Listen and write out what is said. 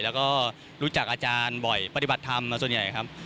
แล้วก็รู้จักอาจารย์บ่อยปฏิบัติธรรมส่วนใหญ่ครับ